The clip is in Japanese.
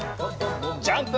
ジャンプ！